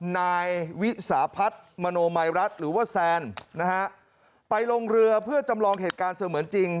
นายวิสาพัฒน์มโนมัยรัฐหรือว่าแซนนะฮะไปลงเรือเพื่อจำลองเหตุการณ์เสมือนจริง